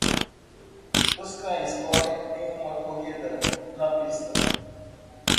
Os cães correm uma corrida na pista.